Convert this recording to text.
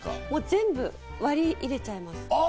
全部、割り入れちゃいます。